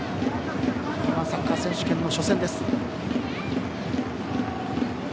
Ｅ‐１サッカー選手権の初戦です。